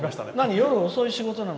夜遅い仕事なの？